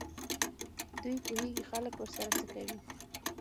دوی پوهېږي خلک ورسره څه کوي.